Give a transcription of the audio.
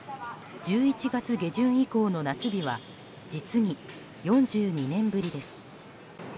１１月下旬以降の夏日は実に４２年ぶりです。